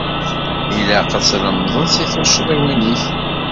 Ilaq ad tlemdeḍ seg tuccḍiwin-ik.